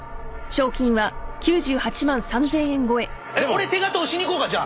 俺手形押しに行こうか？